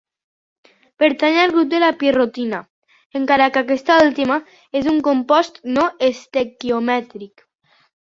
Pertany al grup de la pirrotina, encara que aquesta última és un compost no estequiomètric.